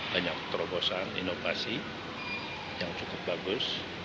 banyak terobosan inovasi yang cukup bagus